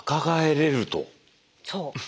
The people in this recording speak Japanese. そう。